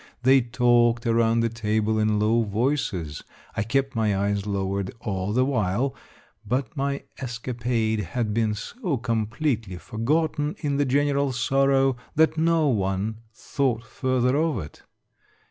They talked around the table in low voices. I kept my eyes lowered all the while ; but my escapade had been so completely forgotten in the general sorrow that no one thought further of it.